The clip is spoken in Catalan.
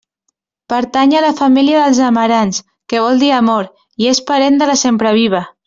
Pertany a la família dels amarants, que vol dir amor, i és parent de la sempreviva.